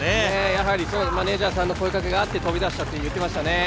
やはりマネージャーさんの声かけがあって飛び出したって言ってましたね。